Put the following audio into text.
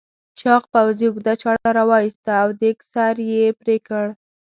چاغ پوځي اوږده چاړه راوایسته او دېگ سر یې پرې کړ.